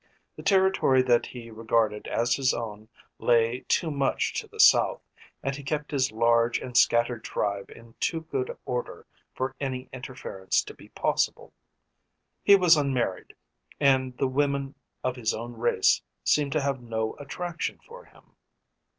The territory that he regarded as his own lay too much to the south, and he kept his large and scattered tribe in too good order for any interference to be possible. He was unmarried, and the women of his own race seemed to have no attraction for him.